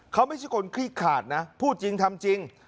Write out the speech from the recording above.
เขาไม่ใช่คนคลี่ขาดนะพูดจริงทำจริง